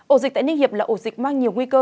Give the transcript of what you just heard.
ổ dịch tại ninh hiệp là ổ dịch mang nhiều nguy cơ